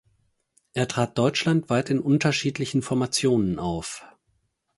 Er trat deutschlandweit in unterschiedlichen Formationen auf.